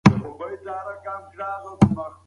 حیات الله په خپل دوکان کې یوازې کار کاوه.